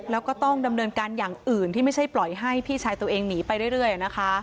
แล้วก็ต้องดำเนินการอย่างอื่นที่ไม่ใช่ปล่อยให้พี่ชายตัวเองหนีไปเรื่อยนะคะ